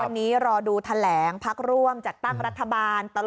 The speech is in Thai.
วันนี้รอดูแถลงพักร่วมจัดตั้งรัฐบาลตลอด